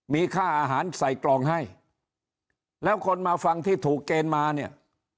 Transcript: มีค่าอาหารใส่กล่องให้แล้วคนมาฟังที่ถูกเกณฑ์มาเนี่ย